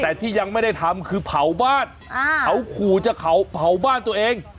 แต่ที่ยังไม่ได้ทำคือเผาบ้านเขาขู่จะเผาบ้านตัวเอง